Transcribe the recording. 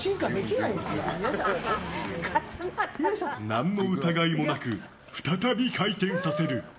何の疑いもなく再び回転させる。